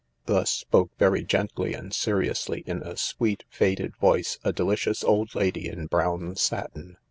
Thus spoke very gently and seriously, in a sweet, faded voice, a delicious old lady in brown satin.